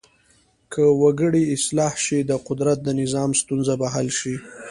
که وګړي اصلاح شي د قدرت د نظام ستونزه به حل شي.